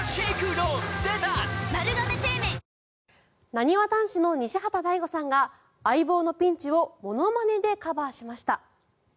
なにわ男子の西畑大吾さんが相棒のピンチをものまねでカバーしました。